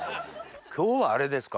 今日はあれですか？